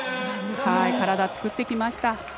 体を作ってきました。